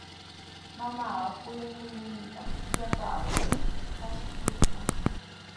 Mamaapa kuyakuynintami llapaa traskikuyaa.